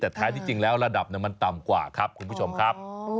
แต่แท้ที่จริงแล้วระดับมันต่ำกว่าครับคุณผู้ชมครับ